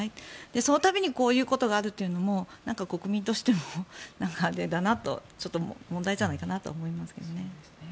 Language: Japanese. その度にこういうことがあるというのも国民としても問題じゃないかなと思いますね。